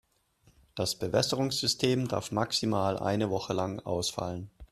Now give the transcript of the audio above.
Das Bewässerungssystem darf maximal eine Woche lang ausfallen.